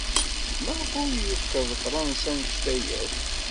Maɣef ay yukeḍ Fṛansa anect-a akk?